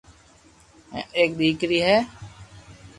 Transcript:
ھين ايڪ ديڪري ھي